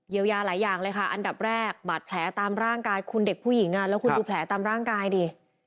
ยาวยาหลายอย่างเลยค่ะอันดับแรกบาดแผลตามร่างกายคุณเด็กผู้หญิงแล้วคุณดูแผลตามร่างกายดิ